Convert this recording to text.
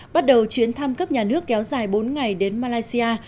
bắt đầu chuyến thăm cấp nhà nước kéo dài bốn ngày đến malaysia